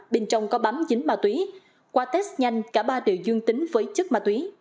bên trong có bám dính ma túy qua test nhanh cả ba đều dương tính với chất ma túy